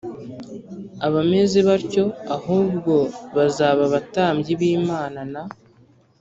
abameze batyo, ahubwo bazaba abatambyi b'imana na